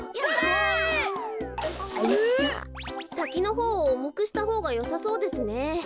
さきのほうをおもくしたほうがよさそうですね。